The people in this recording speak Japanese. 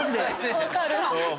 分かる！